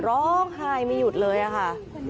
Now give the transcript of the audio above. ร้องไห้ไม่หยุดเลยค่ะ